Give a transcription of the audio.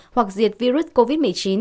hoặc diệt virus covid một mươi chín